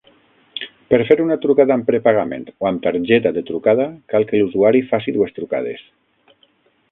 Per fer una trucada amb prepagament o amb targeta de trucada cal que l'usuari faci dues trucades.